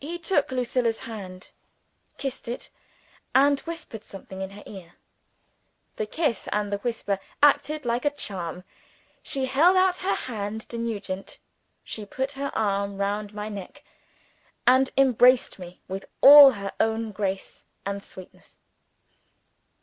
He took Lucilla's hand kissed it and whispered something in her ear. The kiss and the whisper acted like a charm. She held out her hand to Nugent, she put her arm round my neck and embraced me, with all her own grace and sweetness.